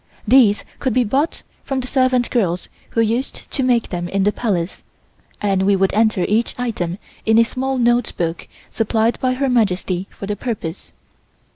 these could be bought from the servant girls who used to make them in the Palace and we would enter each item in a small note book supplied by Her Majesty for the purpose.